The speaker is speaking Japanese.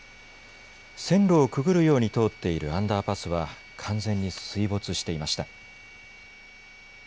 線路をくぐるように通っているアンダーパスは完全に水没していました。